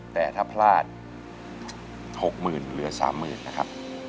แต่ถ้าพลาด๖๐๐๐เหลือ๓๐๐๐นะครับ